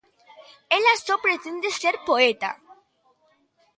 Ela só pretende ser poeta.